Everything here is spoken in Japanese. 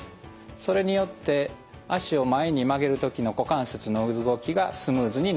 それによって脚を前に曲げる時の股関節の動きがスムーズになります。